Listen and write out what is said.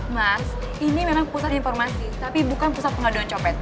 mas ini memang pusat informasi tapi bukan pusat pengaduan copet